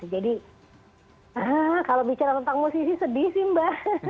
jadi kalau bicara tentang musisi sedih sih mba